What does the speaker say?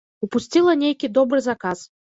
Упусціла нейкі добры заказ.